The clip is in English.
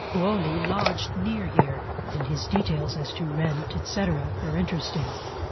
Grosley lodged near here, and his details as to rent, etc., are interesting.